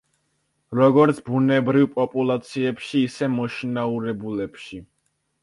როგორც ბუნებრივ პოპულაციებში, ისე მოშინაურებულებში.